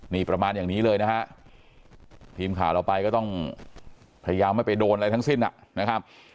นี่ประมาณอย่างนี้เลยนะฮะทีมข่าวเราไปก็ต้องพยายามไม่ไปโดนอะไรทั้งสิ้นนะครับ